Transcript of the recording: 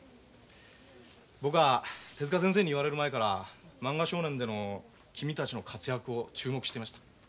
僕は手先生に言われる前から「漫画少年」での君たちの活躍を注目していました。